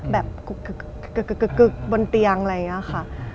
แบบกึกบนเตียงอะไรอย่างนี้ค่ะ